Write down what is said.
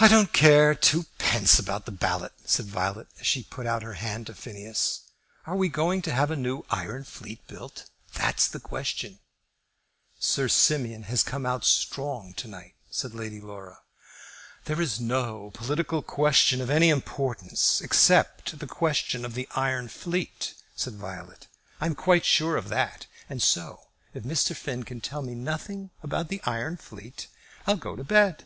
"I don't care twopence about the ballot," said Violet, as she put out her hand to Phineas. "Are we going to have a new iron fleet built? That's the question." "Sir Simeon has come out strong to night," said Lady Laura. "There is no political question of any importance except the question of the iron fleet," said Violet. "I am quite sure of that, and so, if Mr. Finn can tell me nothing about the iron fleet, I'll go to bed."